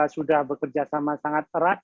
sudah bekerja sama sangat erat